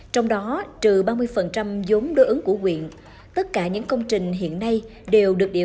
trong đó trừ ba mươi giống đối ứng của quyện tất cả những công trình hiện nay đều được địa